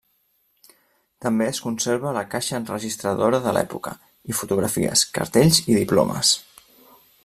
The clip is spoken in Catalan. També es conserva la caixa enregistradora de l'època i fotografies, cartells i diplomes.